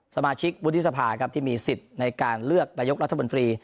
สมาชิกวุฒิสภาครับที่มีสิทธิ์ในการเลือกนายกรัฐมนตรี